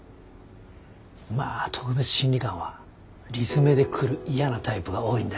まあ特別審理官は理詰めで来る嫌なタイプが多いんだけど。